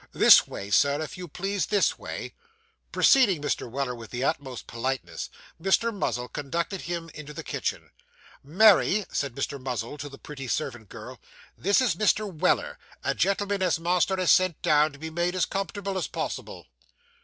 This way, sir, if you please, this way.' Preceding Mr. Weller, with the utmost politeness, Mr. Muzzle conducted him into the kitchen. 'Mary,' said Mr. Muzzle to the pretty servant girl, 'this is Mr. Weller; a gentleman as master has sent down, to be made as comfortable as possible.